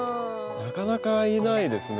なかなかいないですね。